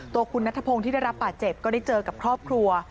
ตัวคุณนัทพงศ์ที่ได้รับบาดเจ็บก็ได้เจอกับครอบครัว